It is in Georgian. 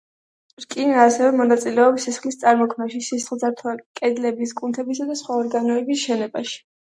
რკინა ასევე მონაწილეობს სისხლის წარმოქმნაში, სისხლძარღვთა კედლების, კუნთებისა და სხვა ორგანოების შენებაში.